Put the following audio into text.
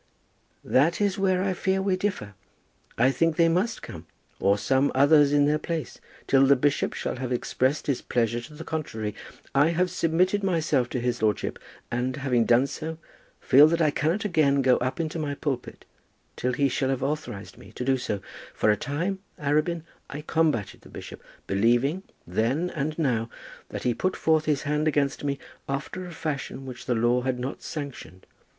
"That is where I fear we differ. I think they must come, or some others in their place, till the bishop shall have expressed his pleasure to the contrary. I have submitted myself to his lordship, and, having done so, feel that I cannot again go up into my pulpit till he shall have authorized me to do so. For a time, Arabin, I combated the bishop, believing, then and now, that he put forth his hand against me after a fashion which the law had not sanctioned.